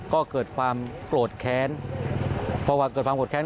ก็เกิดความโกรธแค้นเพราะว่าเกิดความโกรธแค้น